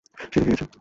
সে রেখে গেছে।